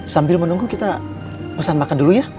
sambil menunggu kita pesan makan dulu ya